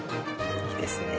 いいですね。